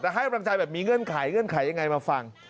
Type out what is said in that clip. แต่ให้กำลังใจแบบมีเงื่อนไขเงื่อนไขยังไงมาฟัง